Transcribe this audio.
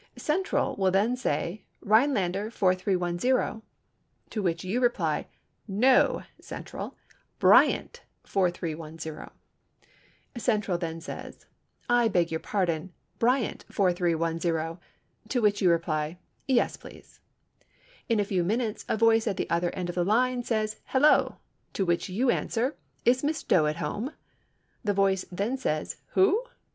"Central" will then say, "Rhinelander 4310." To which you reply, "NO, Central—Bryant 4310." Central then says, "I beg your pardon—Bryant 4310," to which you reply, "Yes, please." In a few minutes a voice at the other end of the line says, "Hello," to which you answer, "Is Miss Doe at home?" The voice then says, "Who?"